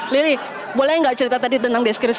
lili boleh gak cerita tadi tentang deskripsi